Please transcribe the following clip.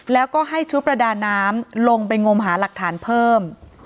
แล้วก็ให้ชุดประดาน้ำลงไปงมหาหลักฐานเพิ่ม